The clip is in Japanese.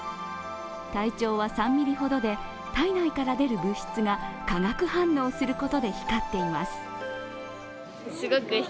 体長は３ｍｍほどで、体内から出る物質が化学反応することで光っています。